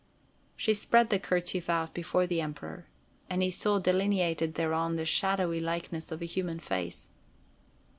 She spread the kerchief out before the Emperor, and he saw delineated thereon the shadowy likeness of a human face.